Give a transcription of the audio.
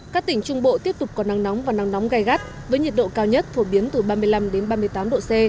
các tỉnh trung bộ tiếp tục có nắng nóng và nắng nóng gai gắt với nhiệt độ cao nhất phổ biến từ ba mươi năm ba mươi tám độ c